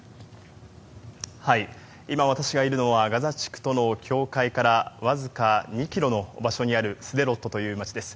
今、私がいるのはガザ地区との境界からわずか２ｋｍの場所にあるスデロットという街です。